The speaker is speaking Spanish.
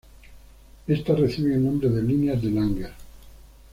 Estas reciben el nombre de "Líneas de Langer".